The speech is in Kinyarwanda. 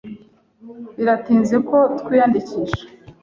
Biratinze ko twiyandikisha?